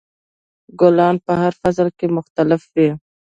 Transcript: ګلان په هر فصل کې مختلف وي.